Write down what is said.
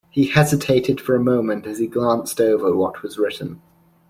He hesitated for a moment as he glanced over what was written.